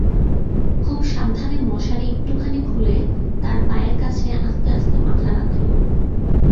খুব সাবধানে মশারি একটুখানি খুলে তাঁর পায়ের কাছে আস্তে আস্তে মাথা রাখলুম।